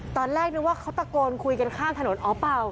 ตอนแรกเรียกว่าเขาตะโคนคุยกันข้างถนนอ้อปป่าว